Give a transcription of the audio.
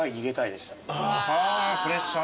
プレッシャー。